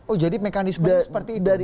oh jadi mekanisme seperti itu